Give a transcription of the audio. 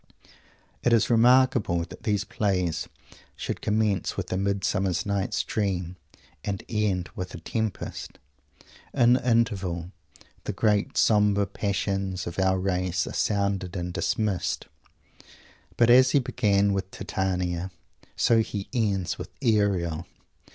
It is remarkable that these plays should commence with a "Midsummer Night's Dream" and end with a "Tempest." In the interval the great sombre passions of our race are sounded and dismissed; but as he began with Titania, so he ends with Ariel.